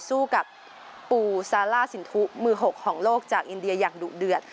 สู้กับปูซาล่าสินทุมือ๖ของโลกจากอินเดียอย่างดุเดือด